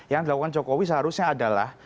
yang dilakukan jokowi seharusnya adalah